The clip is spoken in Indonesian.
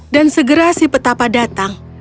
dan segera si petapa datang